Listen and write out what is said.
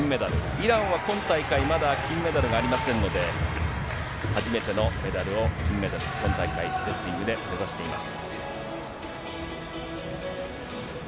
イランは今大会、まだ金メダルがありませんので、初めてのメダルを、金メダル、今大会、レスリングで目指しています。